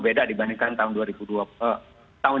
beda dibandingkan tahun